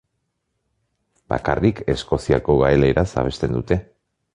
Bakarrik eskoziako gaeleraz abesten dute.